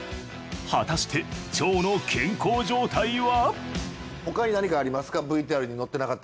果たして腸の健康状態は？